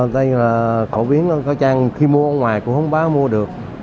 đây là khẩu biến khi mua ở ngoài cũng không báo mua được